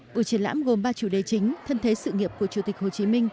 buổi triển lãm gồm ba chủ đề chính thân thế sự nghiệp của chủ tịch hồ chí minh